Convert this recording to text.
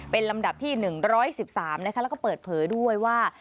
เป็นลำดับที่๑๑๓นะคะแล้วก็เปิดเผยด้วยว่า